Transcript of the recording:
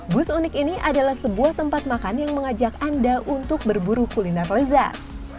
bus unik ini adalah sebuah tempat makan yang mengajak anda untuk berburu kuliner lezat